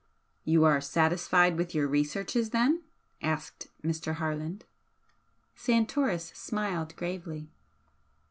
"You are satisfied with your researches, then?" asked Mr. Harland. Santoris smiled gravely.